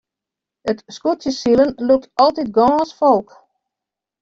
It skûtsjesilen lûkt altyd gâns folk.